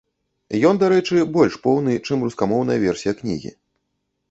Ён, дарэчы, больш поўны, чым рускамоўная версія кнігі.